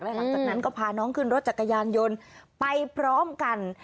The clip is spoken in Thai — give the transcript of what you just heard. หลังจากนั้นก็พาน้องขึ้นรถจักรยานยนต์ไปพร้อมกัน